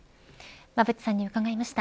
馬渕さんに伺いました。